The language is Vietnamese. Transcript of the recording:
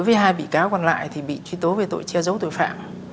đối với hai bị cáo còn lại thì bị truy tố về tội che giấu tội phạm